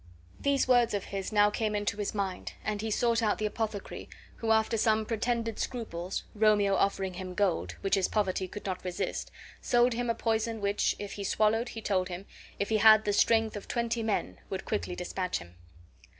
These words of his now came into his mind and he sought out the apothecary, who after some pretended scruples, Romeo offering him gold, which his poverty could not resist, sold him a poison which, if he swallowed, he told him, if he had the strength of twenty men, would quickly despatch him.